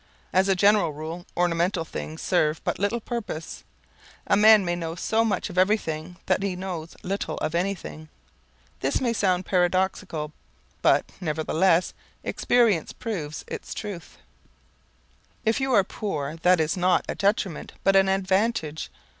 As a general rule ornamental things serve but little purpose. A man may know so much of everything that he knows little of anything. This may sound paradoxical, but, nevertheless, experience proves its truth. If you are poor that is not a detriment but an advantage.